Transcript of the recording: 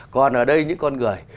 còn ở đây những con người